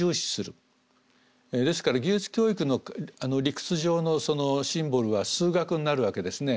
ですから技術教育の理屈上のシンボルは数学になるわけですね。